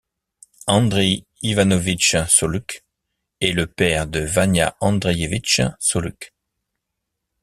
Andreï Ivanovitch Scholuch est le père de Vania Andreïevitch Scholuch.